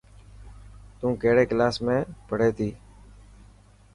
تون ڪهڙي ڪلاس ۾ پهڙي ٿي.